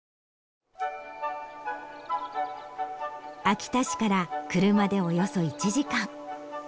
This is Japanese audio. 秋田市から車でおよそ１時間。